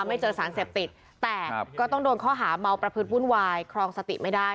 ไม่เจอสารเสพติดแต่ก็ต้องโดนข้อหาเมาประพฤติวุ่นวายครองสติไม่ได้